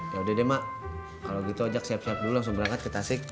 yaudah deh mak kalau gitu ajak siap siap dulu langsung berangkat ke tasik